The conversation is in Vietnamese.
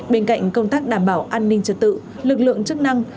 bên cạnh công tác đảm bảo an ninh trật tự lực lượng chức năng